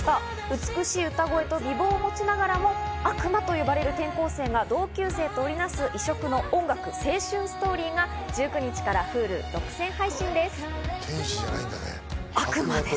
美しい歌声と美貌を持ちながらも悪魔と呼ばれる転校生が同級生と織りなす異色の音楽青春ストーリーが１９日からＨｕｌｕ独占配信です。